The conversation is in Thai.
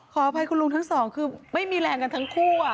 ขออภัยคุณลุงทั้งสองคือไม่มีแรงกันทั้งคู่